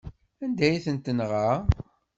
Anda ay ten-tenɣa?